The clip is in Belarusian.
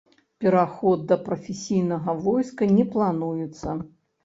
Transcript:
Пераход да прафесійнага войска не плануецца.